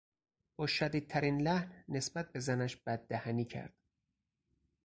با شدیدترین لحن نسبت به زنش بددهنی کرد.